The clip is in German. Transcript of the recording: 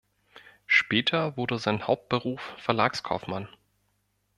Später wurde sein Hauptberuf Verlagskaufmann.